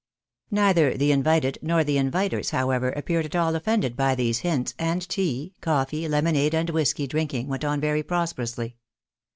K'oither the invited nor the inviters, however, appeared at all offended by these hints, and tea, coffee, lemonade, and wliisky drinking, went on very prosperously.